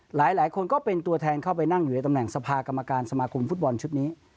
หลายคนก็เป็นตัวแทนเข้าไปนั่งอยู่ในตำแหน่งสภากรรมการสมาคมฟุตบอลชุดนี้